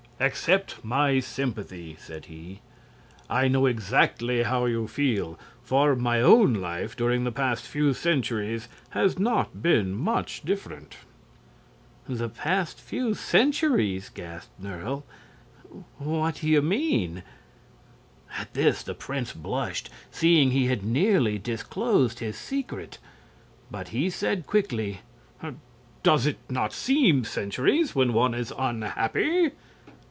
"Accept my sympathy!" said he. "I know exactly how you feel, for my own life during the past few centuries has not been much different." "The past few centuries!" gasped Nerle. "What do you mean?" At this the prince blushed, seeing he had nearly disclosed his secret. But he said, quickly: "Does it not seem centuries when one is unhappy?"